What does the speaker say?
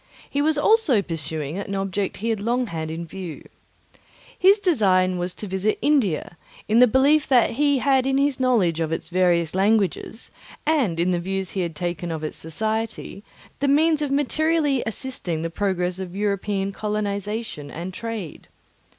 He was also pursuing an object he had long had in view. His design was to visit India, in the belief that he had in his knowledge of its various languages, and in the views he had taken of its society, the means of materially assisting the progress of European colonization and trade.